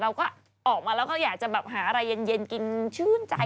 เราก็ออกมาแล้วก็อยากจะแบบหาอะไรเย็นกินชื่นใจ